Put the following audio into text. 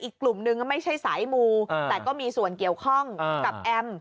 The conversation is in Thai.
อีกกลุ่มนึงไม่ใช่สายมูแต่ก็มีส่วนเกี่ยวข้องกับแอม